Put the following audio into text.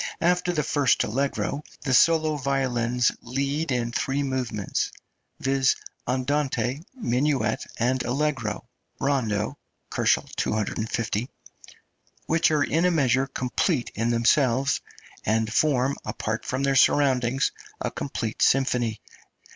After the first allegro, the solo violins lead in three movements, viz.: andante, minuet, and allegro (rondo, 250 K.) which are in a measure complete in themselves, and form, apart from their surroundings, a complete symphony.